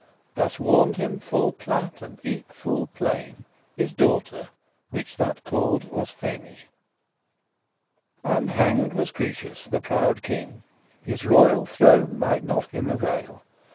Thus warned him full plat and eke full plain His daughter, which that called was Phanie. And hanged was Croesus the proude king; His royal throne might him not avail.